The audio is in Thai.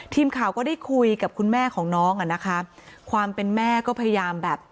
ทีมข่าวก็ได้คุยกับคุณแม่ของน้องอ่ะนะคะความเป็นแม่ก็พยายามแบบ